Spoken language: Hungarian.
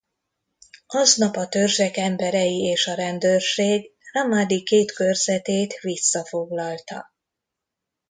Aznap a törzsek emberei és a rendőrség Ramádi két körzetét visszafoglalta.